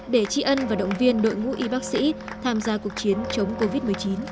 để tri ân và động viên đội ngũ y bác sĩ tham gia cuộc chiến chống covid một mươi chín